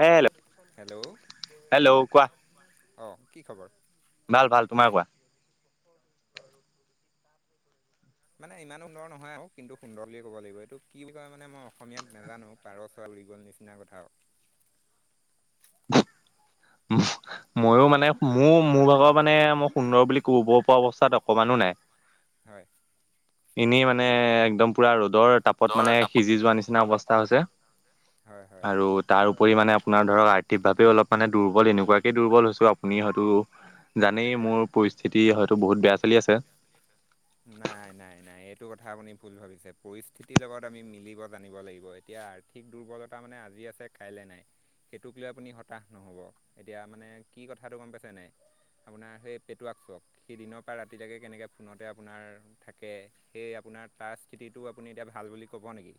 হ hello hello hello কোৱা। অ কি খবৰ? ভাল ভাল। তোমাৰ কোৱা। মানে ইমান সুন্দৰ নহয় আৰু কিন্তু সুন্দৰ বুলিয়ে ক'ব লাগিব, এইটো কি বুলি কয় মানে মই অসমীয়াত নোজানো পাৰ ছোৱালী ফুৰি গ'ল নিচিনা কথা। উ [unintelligible] উম। মইয়ো মানে মোৰ মোৰ ভাগৰ মানে মই সুন্দৰ বুলি ক'ব পৰা অৱস্থাত অকমানো নাই। হয়। এনেই মানে একদম পুৰা ৰ'দৰ তাপত মানে সিজি যোৱা নিচিনা অৱস্থা হৈছে। হয় হয় আৰু তাৰ উপৰি মানে আপোনাৰ ধৰক আৰ্থিক ভাৱে অলপ মানে। দুৰ্বল এনেকুৱাকে দুৰ্বল হৈছো আপুনি হয়তো। জানেই মোৰ পৰিস্থিতি হয়তো বহুত বেয়া চলি আছে। নাই নাই নাই এইটো কথা আপুনি ভুল ভাবিছে পৰিস্থিতিৰ লগত আমি মিলিব জানিব লাগিব এতিয়া। ঠিক দুৰ্বলতা মানে আজি আছে কাইলে নাই। সেইটোক লৈ আপুনি হতাশ নহব এতিয়া মানে কি কথাটো গম পাইছে নাই। আপোনাৰ সেই পেটুৱাকচক সি দিনৰ পৰা ৰাতিলৈকে কেনেকে ফোনত। আপোনাৰ থাকে সেই আপোনাৰ তাৰ স্থিতিটো আপুনি এতিয়া ভাল বুলি ক'ব নেকি।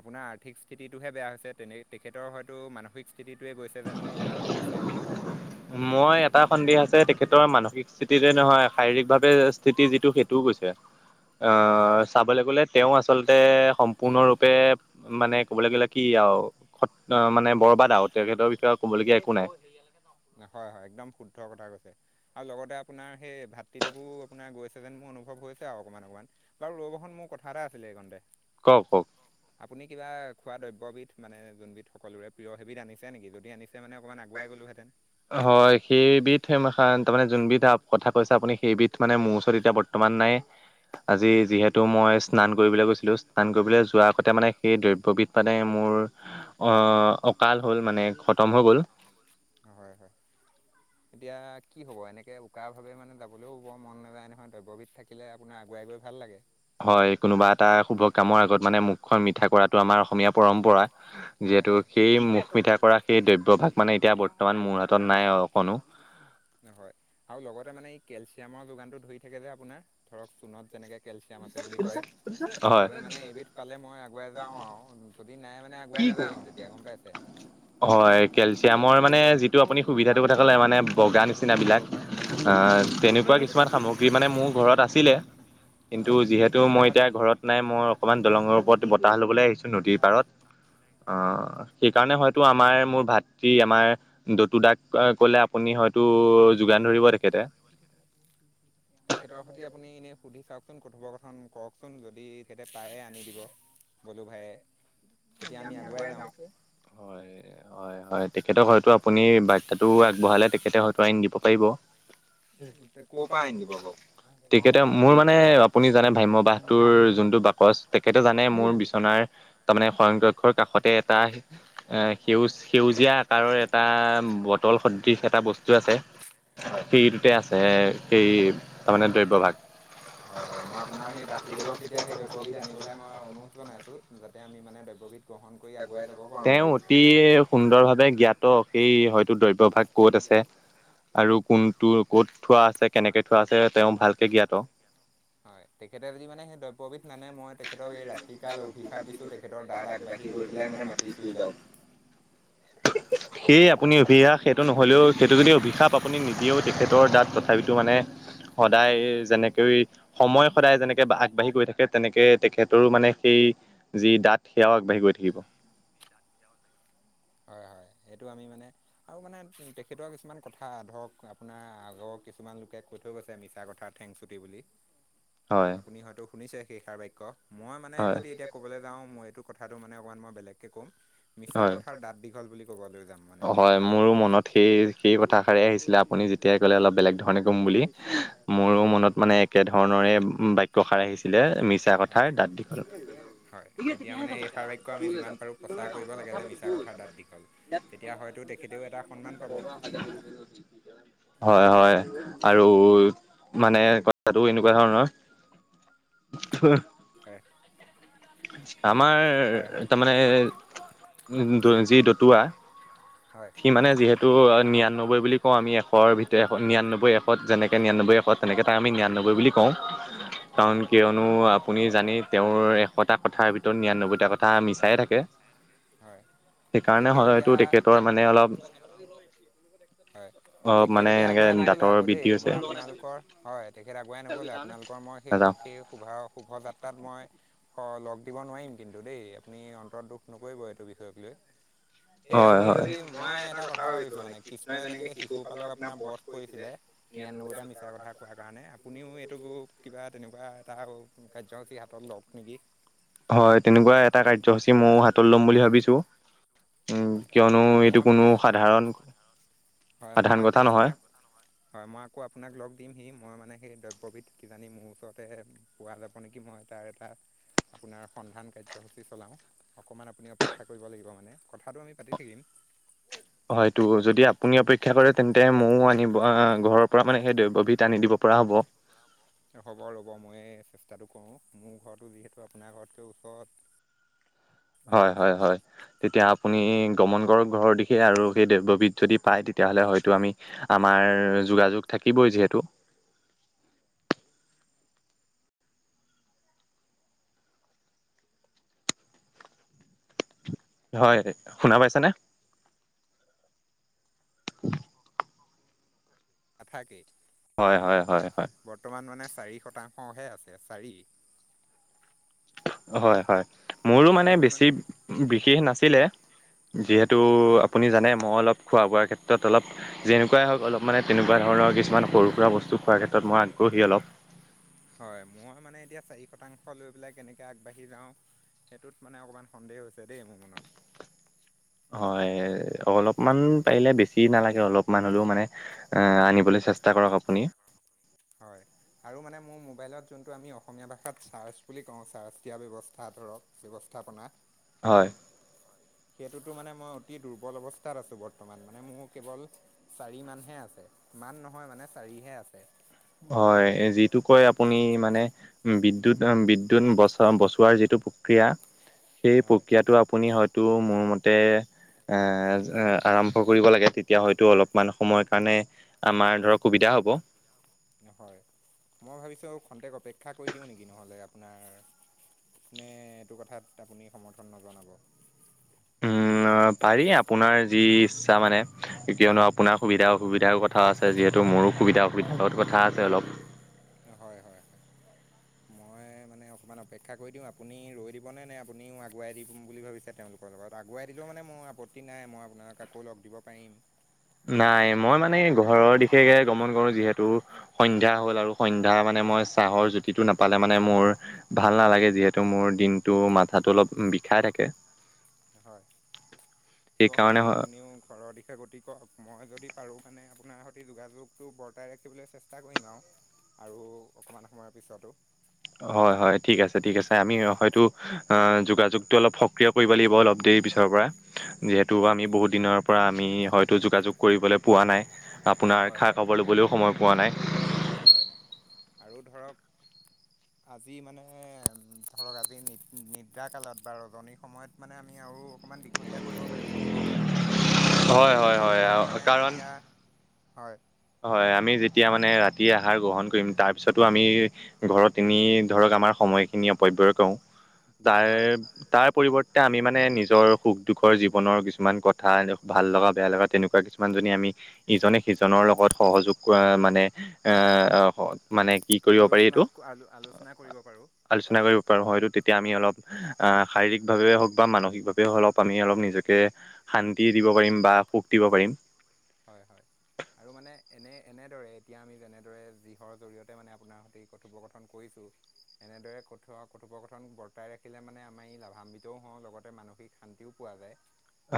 আপোনাৰ আৰ্থিক স্থিতিটোহে বেয়া হৈছে তেনে তেখেতৰ হয়তো মানসিক স্থিতিটোৱে গৈছে যেন মোৰ অনুভৱ হৈছে। [unintelligible] মই এটা সন্দেহ আছে তেখেতৰ মানসিক স্থিতিতে নহয় শাৰীৰিকভাৱে স্থিতি যিটো সেইটোও গৈছে। অ অঁ হয় চাবলৈ গ'লে। তেওঁ আচলতে সম্পূৰ্ণৰূপে মানে ক'বলৈ গ'লে কি আৰু খ মানে বৰ। কবা তেখেতৰ বিষয়ে ক'বলগীয়া একো নাই। হয় হয় একদম শুদ্ধ কথা কৈছে আৰু লগতে আপোনাৰ সেই ভাতৃদেৱো আপোনাৰ গৈছে যেন মোৰ অনুভৱ। কৈছে অকণমান অকণমান বাৰু ৰবহন মোৰ কথা এটা আছিলে এইকাৰণে। কওক কওক। আপুনি কিবা খোৱা দ্ৰব্যবিধ মানে যোনবিধ সকলোৰে প্ৰিয় সেইবিধ আনিছে নেকি যদি আনিছে। মান অকণ আগুৱাই গ'লোহেতেন। হয় সেইবিধ তাৰমানে যোনবিধ কথা কৈছে আপুনি সেইবিধ মানে মোৰ ওচৰত এতিয়া বৰ্তমান নাই। আজি যিহেতু মই স্নান কৰিবলৈ গৈছিলো স্নান কৰিবলৈ যোৱাৰ আগতে মানে সেই দ্ৰব্যবিধ মানে। মোৰ অ অকাল হ'ল মানে খতম হৈ গ'ল। হয় হয়। এতিয়া কি হব এনেকে উকা ভাৱে মানে যাবলৈও বৰ মন নাযায় নহয় দ্ৰব্যবিধ থাকিলে আপোনাৰ আগ- বুৱাই গৈ ভাল লাগে। হয় কোনোবা এটা শুভ কামৰ আগত মানে মুখখন মিঠা কৰাটো আমাৰ অসমীয়া পৰম্পৰা। হয় যিহেতু হয় সেই মুখ মিঠা কৰা সেই দ্ৰব্য ভাগ মানে এতিয়া বৰ্তমান মোৰ হাতত নাই অকনো। [unintelligible] হয় আৰু লগতে মানে এই কেলচিয়ামৰ যোগানটো ধৰি থাকে যে আপোনাৰ ধৰক চূণত যেনেকে। কেলচিয়াম আছে বুলি কয় হয়। সেইবাবে মানে এইবিধ পালে মই আগুৱাই যাওঁ আৰু যদি নাই মানে। পুৱাই নাযাওঁ তেতিয়া গম পাইছে। হয় কেলচিয়ামৰ মানে যিটো আপুনি সুবিধাটো কথা ক'লে মানে বগা নিচিনাবিলাক। আহ হয় তেনেকুৱা কিছুমান সামগ্ৰী মানে মোৰ ঘৰত আছিলে। কিন্তু হয় যিহেতু মই এতিয়া ঘৰত নাই মই অকণমান দলঙৰ ওপৰত বতাহ ল'বলৈ আহিছোঁ নদীৰ পাৰত। অ সেইকাৰণে হয়তো আমাৰ মোৰ ভাতৃ আমাৰ দতু দাক কলে আপুনি। হয়তো যোগান ধৰিব তেখেতে। তেখেতৰ সৈতে আপুনি এনেই সুধি চাওক। চোন কথোপকথন কওকচোন যদি তেয়া পায়ে আনি দিব বলো ভাইয়ে। আজি আমি আগুৱাই যাওঁ। হয় হয় তেখেতক হয়তো আপুনি বাৰ্তাটো আগবঢ়ালে তেখেতে হয়ত আইন দিব পাৰিব। ক'ৰ পৰা আন দিব আকৌ। তেখেতে মোৰ মানে আপুনি জানে ভ্ৰাম্যমাণ বাহটোৰ যোনটো বাকচ তেখেতে জানে মোৰ বিচনাৰ- তামানে। সংয়ক্ষৰ কাষতে এটা সেউজ সেউজীয়া আকাৰৰ এটা বটল স- ডিশ এটা বস্তু আছে। হয় সেইটোত তে আছে এই তাৰমানে দ্ৰব্যভাগ। হয় হয় মই আপোনাৰ সেই ভাতৃদেৱক [unintelligible] তেতিয়া কেতিয়া সেই দ্ৰব্যবিধ কেবিধ আনিবলৈ মই অনুৰোধ জনাইছো যাতে আমি- নাই বেগবীত। [unintelligible] তেওঁ অতি সুন্দৰ ভাৱে জ্ঞাত সেই হয়তো দ্ৰব্য ভাগ কত আছে? আৰু কোনটো ক'ত থোৱা আছে কেনেকে থোৱা আছে তেওঁ ভালকে জ্ঞাত। হয় তেখেতে যদি মানে সেই দ্ৰব্যবি [unintelligible] দিছোঁ তেখেতৰ দাঁত আগবাঢ়ি গৈ পেলাই মানে মাটি চুই যাওক সেই আপুনি অভিশাপ সেইটো নহলেও সেইটো যদি অভিশাপ আপুনি নি এতিয়াও তেখেতৰ তাত তথাপিতো মানে সদায় যেনেকৈ সময় সদায় যেনেকে আগবাঢ়ি গৈ থাকে। তেনেকে তেখেতৰো মানে সেই যি দাঁত সেয়াও আগবাঢ়ি গৈ থাকিব। [inaudible] হয় হয়। সেইটো আমি মানে আৰু মানে তেখেতৰ কিছুমান কথা ধৰক আপোনাৰ আগৰ কিছুমান লোকে কৈ কৈ থৈ গৈছে মিছা কথা থেংছুটি বুলি হয় আপুনি হয়তো শুনিছে শেষাৰ বাক্য মই মানে হয় যদি এতিয়া কবলৈ যাও মই এইটো কথাটো মানে অকণমান মই বেলেগকে ক'ম মিছা কথ দাঁত দীঘল বুলি ক'বলৈ যাম। মানে অ মই হয় কথাটো মোৰো মনত সেই সেই কথাষাৰেই আহিছিলে আপুনি যেতিয়াই ক'লে অলপ বেলেগ ধৰণে কম বুলি। মোৰো হয় মনত মানে একে ধৰণৰে বাক্য সাৰ আহিছিলে। মিছা হয় কথাই দাঁত দীঘল হয় এতিয়া মানে এইষাৰ বাক্য আমি যিমান পাৰোঁ প্ৰচাৰ কৰিব লাগে যে মিছা কথাৰ দাঁত দীঘল [unintelligible] তেতিয়া হয়তো তেখেতেও এটা সন্মান পাব [unintelligible] হয় হয় আৰু মানে কথাটো এনেকুৱা ধৰণৰ [unintelligible] হয় আমাৰ হয় হয় তাৰমানে যি দতুৱা হয় সি মানে যিহেতু নিয়ান- কৈ বুলি কওঁ আমি এশৰ ভিতৰত এ নিৰানব্বৈ এশত যেনেকৈ নিৰানব্বৈ এশত তেনেকৈ তাক আমি নিৰানব্বৈ বুলি কওঁ। হয় কাৰণ কিয়নো আপুনি জানে তেওঁৰ এশটা কথাৰ ভিতৰত নিৰানব্বৈটা কথা মিছাই থাকে। হয় সেইকাৰণে তেখেত এতিয়া হয়টো তেখেতৰ মানে অলপ হয়, অ তেখেত মানে এতিয়া এনেকে আগুৱাই নগলে দাঁতৰ আকৌ দে বৃদ্ধি হৈছে মই আপোনালোকৰ, হয় তেখেত আগুৱাই নগ'লে আপোনালোকৰ মই সেই নাযাওঁ সেই শোভা শোভাযাত্ৰাত মই হয় লগ দিব নোৱাৰিম কিন্তু দেই, আপুনি অন্তৰত দুখ নকৰিব এইটো বিষয়ক লৈ। সেই হয় আপুনি হয়। যদি মই এটা কথা ভাবিছো মানে কৃষ্ণয়ে যেনেকে শিশু কালত আপোনাৰ বধ কৰিছিলে নিৰানব্বৈটা মিছা কথা কোৱা কাৰণে, আপুনিও এইটো কিবা তেনেকুৱা এটা আৰু কাৰ্যসূচী হাতত লওক নেকি? হয় তেনেকুৱা এটা কাৰ্যসূচী মইও হাতত ল'ম বুলি ভাবিছো। উম, হয় কিয়নো মই এইটো কোনো সাধাৰণ মানে হয়, মই সাধাৰণ আকৌ কথা নহয়। আপোনাক, হয় মই আকৌ আপোনাক লগ দিম সি মই মানে সেই দ্ৰব্যবিধ কি জানি মোৰ ওচৰতেহে পোৱা যাব নেকি মই তাৰ এটা আপোনাৰ সন্ধান কাৰ্যসূচী চলাওঁ, অকণমান আপুনি অপেক্ষা কৰিব লাগিব মানে। কথাটো আমি পাতি থাকিম। হয়টো যদি আপুনি অপেক্ষা কৰে তেন্তে মইও আনিব আহ ঘৰৰ পৰা মানে সেইটো [unintelligible] আনি দিব পৰা হ'ব। হ'ব ৰ'ব। মইয়ে চেষ্টাটো কৰোঁ। মোৰ ঘৰতো যিহেতু আপোনাৰ ঘৰতকৈ ওচৰত [inaudible] হয়-হয়-হয় তেতিয়া আপুনি গমন কৰক ঘৰৰ দিশে আৰু সেই [unintelligible] বিধ যদি পায় তেতি তেতিয়াহ'লে হয়তো আমি আমাৰ যোগাযোগ থাকিবই যিহেতু। হয়, শুনা পাইছেনে? নাথাকেই। হয় হয় হয় হয় বৰ্তমান মানে চাৰি শতাংশহে আছে চাৰি। হয় হয়। মোৰো মানে বেছি বিশেষ নাছিলে। হয় যিহেতু আপুনি জানে মই অলপ খোৱা বোৱাৰ ক্ষেত্ৰত অলপ যেনেকুৱাই হওক অলপ মানে তেনেকুৱা ধৰণৰ কিছুমান সৰু সুৰা বস্তু স্তু খোৱাৰ ক্ষেত্ৰত মই আগ্ৰহী অলপ। হয় মই মানে এতিয়া চাৰি শতাংশ লৈ পেলাই কেনেকে আগবাঢ়ি যাওঁ। সেইটোত মানে অকমান সন্দেহ হৈছে দে মোৰ মনত। [unintelligible] হয় অলপমান পাৰিলে বেছি নালাগে অলপমান হলেও মানে, এ আনিবলে চেষ্টা কৰক আপুনি। হয়, আৰু মানে মোৰ মবাইলত যোনটো আমি অসমীয়া ভাষাত চাৰ্ছ বুলি কওঁ চাৰ্ছ দিয়া ব্যৱস্থাটো [unintelligible] ব্যৱস্থাপনা। হয়, সেইটোতো মানে মই অতি দুৰ্বল অৱস্থাত আছো বৰ্তমান মানে মোৰ কেৱল, চাৰি মানহে আছে। ইমান নহয় মানে চাৰিহে আছে। হয়, এ যিটো কয় আপুনি মানে বিদ্যুৎধম বিদ্যুৎ বচা বচোৱাৰ যিটো প্ৰক্ৰিয়া সেই হয় প্ৰক্ৰিয়াটো আপুনি হয়তো মোৰ মতে এ আৰম্ভ কৰিব লাগে। তেতিয়া হয়তো অলপমান সময়ৰ কাৰণে আমাৰ ধৰক সুবিধা হ'ব। হয়। মই ভাবিছোঁ আৰু খন্তেক অপেক্ষা কৰি দিওঁ নেকি? নহ'লে আপোনাৰ নে এইটো কথাত আপুনি সমৰ্থন নজনাব? উম অ পাৰি। আপোনাৰ যি ইচ্ছা মানে। তেতিয়ানো আপোনাৰ সুবিধা-অসুবিধাও কথাও আছে। যিহেতু মোৰো সুবিধা-অসুবিধাৰ কথা আছে অলপ। হয়-হয়-হয়। [inaudible] মানে অকণমান অপেক্ষা কৰি দিওঁ। আপুনি ৰৈ দিবনে নে আপুনিও আগুৱাই দিম বুলি ভাবিছে তেওঁলোকৰ লগত। আগুৱাই দিলেও মানে মানে মোৰ আপত্তি নাই। মই আপোনাক আকৌ লগ দিব পাৰিম। নাই মই মানে ঘৰৰ দিশে গমন কৰো যিহেতু সন্ধ্যা হ'ল আৰু সন্ধ্যা মানে মই চাহৰ জুতিটো নাপালে মানে মোৰ ভাল নালাগে। যিহেতু মোৰ দিনটো মাথাটো অলপ বিষাই থাকে। হয়। চুৱক তেন্তে সেইকাৰণে আপুনিও ঘৰৰ দিশে শে গতি কৰক। মই যদি পাৰোঁ মানে আপোনাৰ সতি যোগাযোগটো বৰ্তাই ৰাখিবলে চেষ্টা কৰিম আও। আৰু অকমান সময়ৰ পিছতো। হয় হয় ঠিক আছে ঠিক আছে। আমি হয়তো অ যোগাযোগটো অলপ সক্ৰিয় কৰিব লাগিব অলপ দে দেই পিছৰ পৰা। যিহেতু হয় আমি বহুত দিনৰ পৰা আমি হয়তো যোগাযোগ কৰিবলে পোৱা নাই। আপোনাৰ হয় খা হয় খবৰ ল'বলও সময় পোৱা নাই। হয় আৰু ধৰক। আজি মানে ধৰক আজি নি নিদ্ৰা কালত বা ৰজনী সময়ত মানে আমি আও অকমান দীঘলীয়া কৰিব পাৰিম কথোপকথন। কিহেতু হয় মানে হয় হয় আহ, কিয়নো মানে কাৰণ তেতিয়া হয়। হয় আমি যেতিয়া মানে ৰাতি আহাৰ গ্ৰহণ কৰিম। তাৰ পিছতো আমি ঘৰত তিনি ধৰক আমাৰ সময়খিনি অপৰ্ব্যই থওঁ। যাৰ হয় তাৰ পৰিৱৰ তে আমি মানে নিজৰ সুখ দুখৰ জীৱনৰ কিছুমান কথা ভাল লগা বেয়া লগা তেনেকুৱা কিছুমান জনী আমি ইজনে সিজনৰ লগত সহযোগ কৰা মানে এ। মানে কি কৰিব পাৰি আলোচনাত এইটো। আলো আলোচনা কৰিব পাৰোঁ আলোচনা কৰিব তই হয় তেতিয়া আমি অলপ শাৰীৰিক ভাৱে হক বা মানসিকভাৱে অলপ আমি অলপ নিজকে শান্তি দিব পাৰিম বা সুখ দিব পাৰিম। হয় হয়। আৰু মানে এনে এনেদৰে এতিয়া আমি যেনেদৰে যিহৰ জৰিয়তে মানে আপোনাৰ সৈতে কথোপকথন কৰিছি লো। এনেদৰে কথো অ কথোপকথন বৰ্তাই ৰাখিলে মানে আমি লাভান্বিতও হওঁ। লগতে মানসিক শান্তিও পোৱা নাই।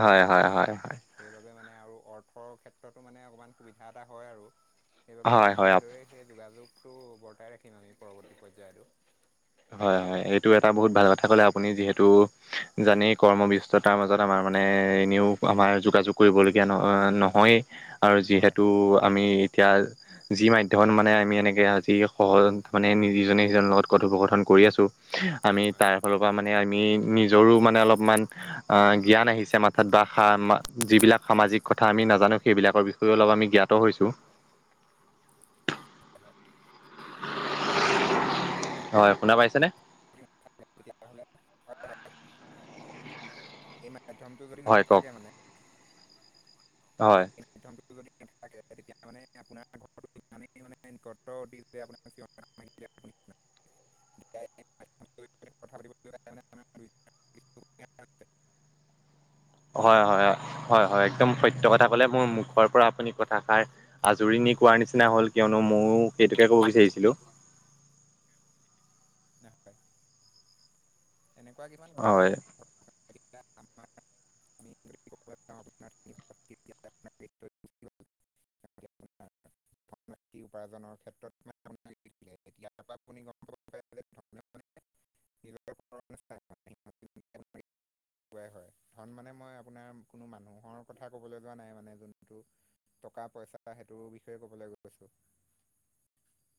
হয়, হয়, হয়, হয়। পথৰ ক্ষেত্ৰতো মানে অকণমান সুবিধা এটা হয় আৰু সেইবাবে হয় মানে হয় এনেদৰেই সেই যোগাযোগ টো বৰ্তাই ৰাখিম আমি পৰৱৰ্তী পৰ্যায়টো। হয়, হয়। এইটো এটা বহুত ভাল কথা কলে আপুনি। যিহেতু জানেই কৰ্মব্যস্ততাৰ মাজত আমাৰ মানে এনেও আমাৰ যোগাযোগ কৰিবলগীয়া ন নহয়েই আৰু হয় যিহেতু হয় আমি এতিয়া যি মাধ্যমত মানে আমি এনেকে আজি সহজ মানে যিজনে সিজনৰ লগত কথোপক কৰি আছো আমি হয়। তাৰ ফালৰ পৰা মানে আমি নিজৰো মানে অলপমান জ্ঞান আহিছে মাথাত বা য বিলাক সামাজিক কথা আমি নাজানো সেইবিলাকৰ বিষয়েও অলপ আমি জ্ঞাত হৈছো [inaudible] আৰু মানে হয় শুনা পাইছে নে? তেতিয়াহলে ভাল এই মাধ্যমটো যদি হয় কওক নাথাকে মানে হয় এই মাধ্যমটো নাথাকে তেতিয়া মানে আপোনাৰ ঘৰত মানে ক [inaudible] [inaudible] [unintelligible] হয় হয় হয় হয় হয় একদম সত্য‌ কথা কলে মোৰ মুখৰ পৰা আপুনি কথাষাৰ আজৰি কোৱাৰ নিচিনা হ'ল কিয়নো ময়ো সেইটোকে ক'ব বিচাৰিছিলো নাই এনেকুৱা কিমান কথা হয় এতিয়া আমাৰ আমি যদি ক'বলৈ যাওঁ আপোনাৰ তিনি [inaudible] ভাগ তেতিয়া আপোনাৰ এইটো গুচি গ'ল এতিয়া আপোনাৰ [inaudible] ধন উপাৰ্জনৰ ক্ষেত্ৰত [unintelligible] নিজৰ ওপৰত [inaudible] কুৱাই হয়। ধন মানে মই আপোনাৰ কোনো মানুহৰ কথা ক'বলৈ যোৱা নাই মানে যোনটো টকা-পইচা সেইটো বিষয়ে ক'বলৈ গৈছোঁ। [inaudible]